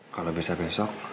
kalau bisa besok